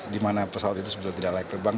di mana pesawat itu sudah tidak layak terbang